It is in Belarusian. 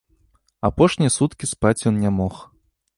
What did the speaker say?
Апошнія суткі спаць ён не мог.